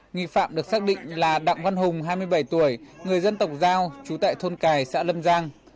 nghi phạm được xác định là đặng văn hùng hai mươi bảy tuổi người dân tộc giao chú tại thôn cài xã lâm giang